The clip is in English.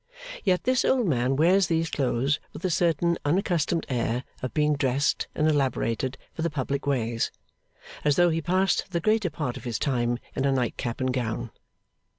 Yet this old man wears these clothes with a certain unaccustomed air of being dressed and elaborated for the public ways; as though he passed the greater part of his time in a nightcap and gown.